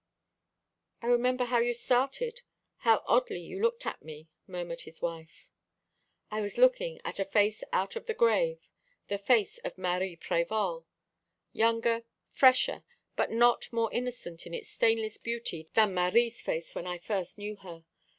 "I remember how you started, how oddly you looked at me," murmured his wife. "I was looking at a face out of the grave the face of Marie Prévol; younger, fresher, but not more innocent in its stainless beauty than Marie's face when I first knew her.